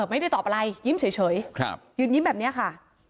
ไม่ได้ตอบอะไรยิ้มเฉยยืนยิ้มแบบนี้ค่ะ